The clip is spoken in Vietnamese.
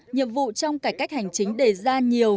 nhiệm vụ trong cải cách hành chính đề ra nhiều